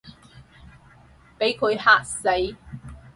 畀佢嚇死